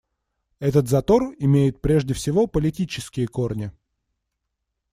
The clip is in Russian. Этот затор имеет прежде всего политические корни.